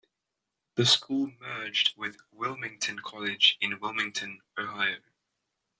The school merged with Wilmington College in Wilmington, Ohio.